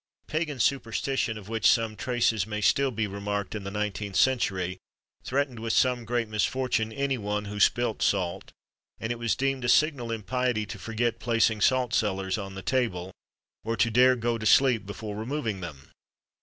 Pagan superstition, of which some traces may still be remarked in the 19th century, threatened with some great misfortune any one who spilt salt; and it was deemed a signal impiety to forget placing salt cellars on the table, or to dare go to sleep before removing them.